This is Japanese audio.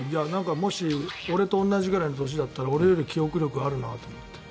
もし俺と同じぐらいの年だったら俺より記憶力あるなと思って。